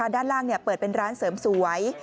ด้านล่างเปิดเป็นร้านเสริมสวย